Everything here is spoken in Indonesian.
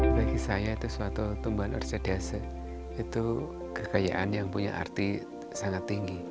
bagi saya itu suatu tumbuhan orsedase itu kekayaan yang punya arti sangat tinggi